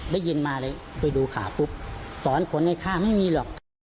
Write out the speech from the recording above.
ได้ยินมาเลยไปดูข่าวปุ๊บสอนคนในค่าไม่มีหรอก